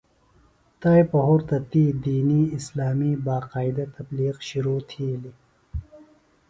تائی پہُرتہ تی دینی اِسلامی باقائدہ تبلیغ شِرو تِھلیۡ.